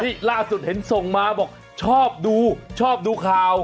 นี่ล่าสุดเห็นส่งมาบอกชอบดูชอบดูข่าว